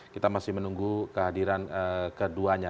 kita masih menunggu kehadiran keduanya